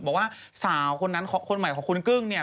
บอกว่าสาวคนนั้นคนใหม่ของคุณกึ้งเนี่ย